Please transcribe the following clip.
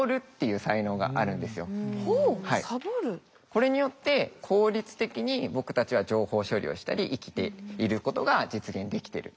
これによって効率的に僕たちは情報処理をしたり生きていることが実現できてる。